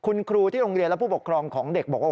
คุณครูที่โรงเรียนและผู้ปกครองของเด็กบอกว่า